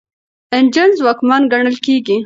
انجن ځواکمن ګڼل کیږي.